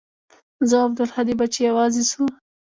زه او عبدالهادي به چې يوازې سو.